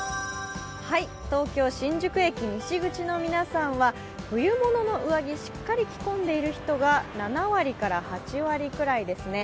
東京・新宿駅西口の皆さんは冬物の上着、しっかり着込んでいる人が７割から８割くらいですね。